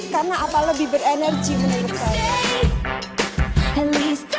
karena apa lebih berenergi menurut saya